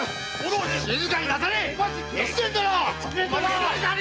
静かになされい！